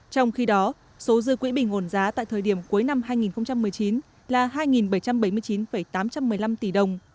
trong khi đó số dư quỹ bình ổn giá tại thời điểm cuối năm hai nghìn một mươi chín là hai bảy trăm bảy mươi chín tám trăm một mươi năm tỷ đồng